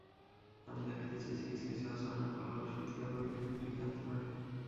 আমি দেখাতে চেয়েছি, কিছু কিছু আচরণের ফলাফল সত্যিকারভাবেই বিপদ ডেকে আনতে পারে।